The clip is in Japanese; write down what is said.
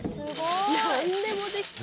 「なんでもできる」